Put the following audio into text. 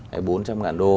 hay bốn trăm linh ngàn đô